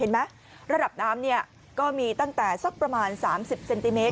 เห็นไหมระดับน้ำก็มีตั้งแต่สักประมาณ๓๐เซนติเมตร